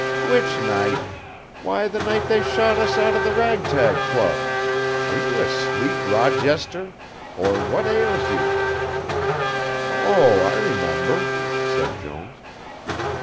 "Which night? Why the night they shot us out of the Rag Tag Club. Are you asleep, Rawjester or what ails you?" "Oh, I remember," said Jones.